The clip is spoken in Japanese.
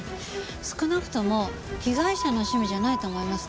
少なくとも被害者の趣味じゃないと思いますね。